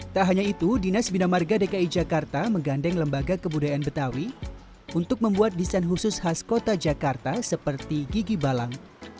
tak hanya itu dinas bina marga dki jakarta menggandeng lembaga kebudayaan betawi untuk membuat desain khusus khas kota jakarta seperti gigi balang